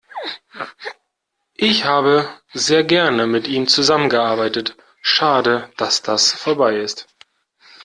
Ich habe sehr gerne mit ihm zusammen gearbeitet. Schade, dass das vorbei ist.